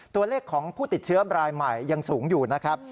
ตัวเลขของผู้ติดเชื้อรายใหม่ยังสูงอยู่นะครับ